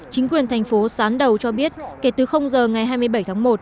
chính quyền thành phố sán đầu cho biết kể từ giờ ngày hai mươi bảy tháng một